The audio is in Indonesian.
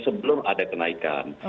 sebelum ada kenaikan